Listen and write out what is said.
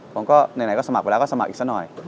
ผมก็ไหนก็สมัครไปแล้วก็สมัครอีกสักหน่อย